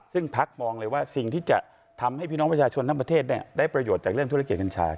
ซึ่งพักมองเลยว่าสิ่งที่จะทำให้พี่น้องประชาชนทั้งประเทศได้ประโยชน์จากเรื่องธุรกิจกัญชา